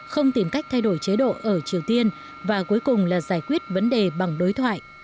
không tìm cách thay đổi chế độ ở triều tiên và cuối cùng là giải quyết vấn đề bằng đối thoại